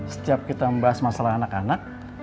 setiap kita membahas masalah anak anak